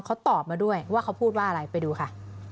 เขาตอบมาด้วยว่าเขาพูดว่าอะไรไปดูค่ะ